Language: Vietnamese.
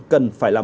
cần phải làm rõ